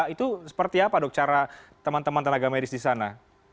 itu seperti apa dok cara teman teman tenaga medis di sana